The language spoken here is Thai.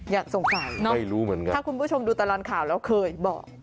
อยากสงสารไม่รู้เหมือนกันถ้าคุณผู้ชมดูตารางข่าวแล้วเคยบอก